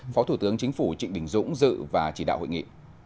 phó thủ tướng chính phủ trịnh đình dũng dự và chỉ đạo hội nghị